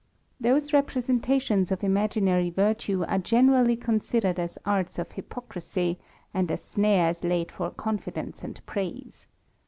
THE RAMBLER. 53 Those representations of imaginary virtue are generally onsidered as arts of hypocrisy, and as snares laid for confidence and praise.